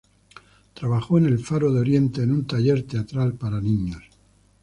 Trabajó en el Faro de Oriente, en un taller teatral para niños.